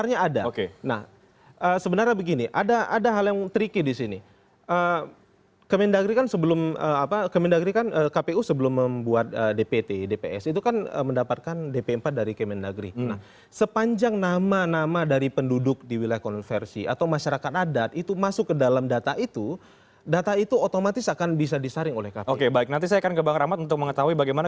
yang kedua sebenarnya ini bisa dilakukan